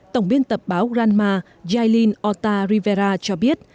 tổng biên tập báo granma jailin ota rivera cho biết